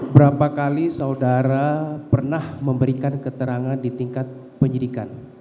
berapa kali saudara pernah memberikan keterangan di tingkat penyidikan